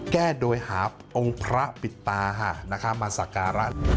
แก้โดยหาองค์พระปิดตามาสักการะ